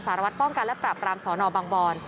ศวตฯป้องกันและปรับปรามศบน